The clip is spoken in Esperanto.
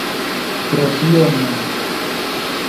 Pro tio ne.